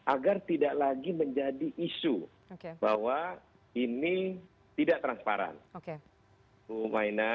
agar tidak lagi menjadi isu bahwa ini tidak transparan